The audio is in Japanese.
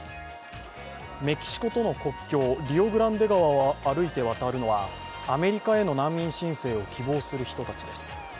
メキシコとの国境リオグランデ川を歩いて渡るのはアメリカへの難民申請を希望する人たちです。